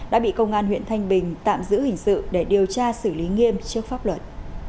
đã bị công an huyện thanh bình tạm giữ hình sự để điều tra xử lý nghiêm trước pháp luật